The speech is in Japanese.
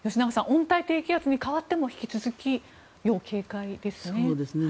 温帯低気圧に変わっても引き続き、要警戒ですね。